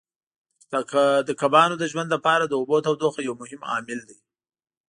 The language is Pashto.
د کبانو د ژوند لپاره د اوبو تودوخه یو مهم عامل دی.